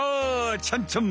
ちゃんちゃん！